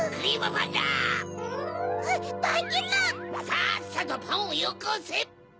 さっさとパンをよこせ！